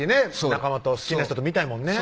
仲間と好きな人と見たいもんね